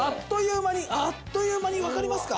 あっという間にわかりますか？